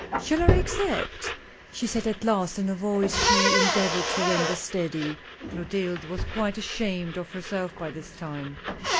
" Shall I accept ?" she said at last in a voice she endeavored to render steady. Clotilde was quite ashamed of herself by this time.